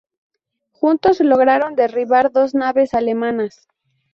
Juntos lograron derribar dos naves alemanas.